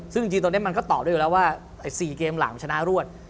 ซึ่งจริงตอนนี้มันก็ตอบได้อยู่แล้วว่า๔เกมหลังชนะรวด